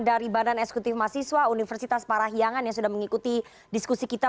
dari badan eksekutif mahasiswa universitas parahiangan yang sudah mengikuti diskusi kita